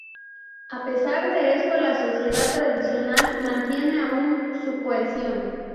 A pesar de esto la sociedad tradicional mantiene aun su cohesión.